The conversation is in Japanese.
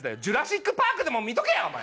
『ジュラシック・パーク』でも見とけや！